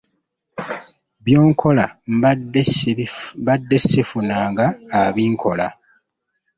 By'onkola mbadde ssifunanga abinkola.